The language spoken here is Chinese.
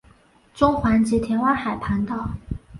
中环及田湾海旁道。